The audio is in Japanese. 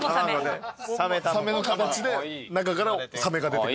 サメの形で中からサメが出てくる。